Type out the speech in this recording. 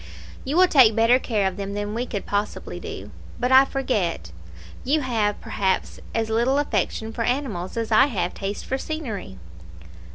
You will take better care of them than we could possibly do. But I forget: you have, perhaps, as little affection for animals as I have taste for scenery."